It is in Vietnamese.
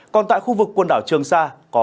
còn tại khu vực quần đảo trường sài gòn